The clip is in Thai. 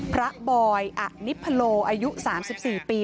พระบอยอนิพโพโลอายุ๓๔ปี